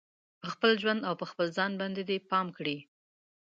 په خپل ژوند او په خپل ځان باندې دې پام کړي